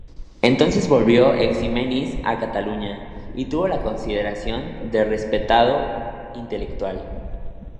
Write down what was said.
Entonces volvió Eiximenis a Cataluña, y tuvo la consideración de respetado intelectual.